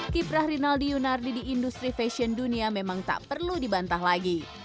kiprah rinaldi yunardi di industri fashion dunia memang tak perlu dibantah lagi